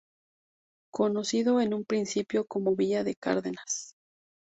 Conocido en un principio como Villa de Cardenas.